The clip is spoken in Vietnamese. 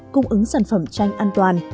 cung ứng sản phẩm chanh an toàn